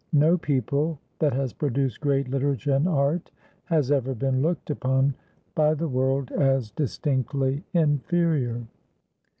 No people that has produced great literature and art has ever been looked upon by the world as distinctly inferior.